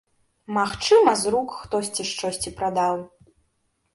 Магчыма, з рук хтосьці штосьці прадаў.